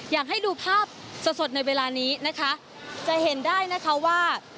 อยากให้ดูภาพสดสดในเวลานี้นะคะจะเห็นได้นะคะว่า